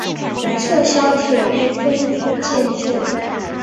撤销铁路分局建制。